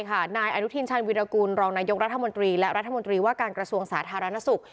นายอนุทินชาญวิรากูลรองนายกรัฐมนตรีและรัฐมนตรีว่าการกระทรวงสาธารณสุข